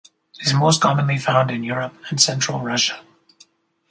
It is most commonly found in Europe and Central Russia.